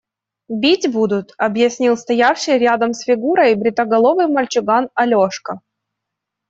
Бить будут, – объяснил стоявший рядом с Фигурой бритоголовый мальчуган Алешка.